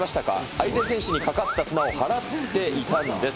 相手選手にかかった砂を払っていたんです。